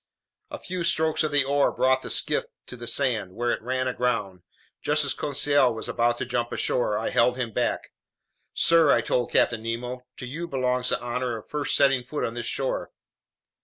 A few strokes of the oar brought the skiff to the sand, where it ran aground. Just as Conseil was about to jump ashore, I held him back. "Sir," I told Captain Nemo, "to you belongs the honor of first setting foot on this shore."